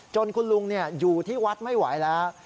คุณลุงอยู่ที่วัดไม่ไหวแล้ว